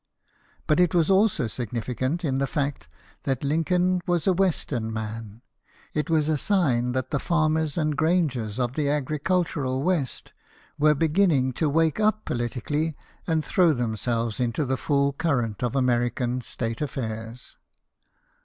But it was also significant in the fact that Lincoln was a western man ; it was a sign that the farmers and grangers of the agricultural west were beginning to wake up politically and throw themselves into the full current of American State affairs.